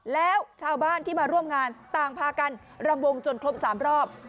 แล้วชาวบ้านที่มาร่วมงานต่างพากันรำวงจนครบ๓รอบ